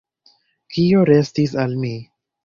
Kio restis al mi?